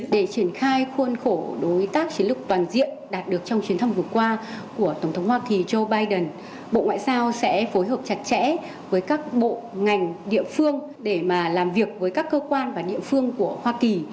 để triển khai khuôn khổ đối tác chiến lược toàn diện đạt được trong chuyến thăm vừa qua của tổng thống hoa kỳ joe biden bộ ngoại giao sẽ phối hợp chặt chẽ với các bộ ngành địa phương để làm việc với các cơ quan và địa phương của hoa kỳ